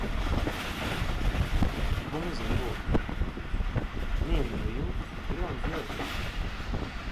Gumu zinguwa, mimi noyuwa bilongwa byobe.